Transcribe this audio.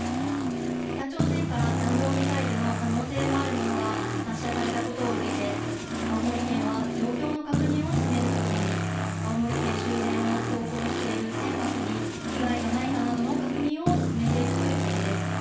北朝鮮から弾道ミサイルの可能性のあるものが発射されたことを受けて、青森県は状況の確認を進めるとともに、青森県周辺を航行している船舶に被害がないかなどの確認を進めているということです。